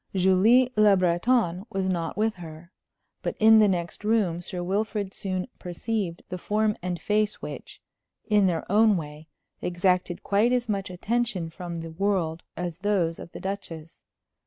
Julie Le Breton was not with her. But in the next room Sir Wilfrid soon perceived the form and face which, in their own way, exacted quite as much attention from the world as those of the Duchess.